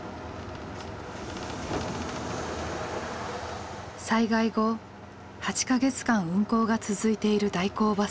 災害後８か月間運行が続いている代行バス。